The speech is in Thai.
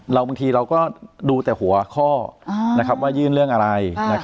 บางทีเราก็ดูแต่หัวข้อว่ายื่นเรื่องอะไร